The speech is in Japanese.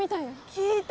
聞いた！